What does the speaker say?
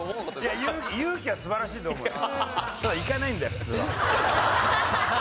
いや勇気は素晴らしいと思うよ。